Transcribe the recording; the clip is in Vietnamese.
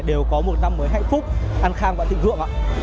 đều có một năm mới hạnh phúc an khang và thịnh vượng ạ